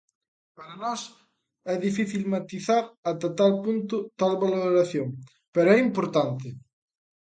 Para nós, é difícil matizar ata tal punto tal valoración, pero é importante.